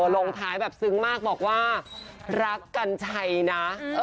ลงท้ายซึ้งมากบอกว่ารักกันใช่นะ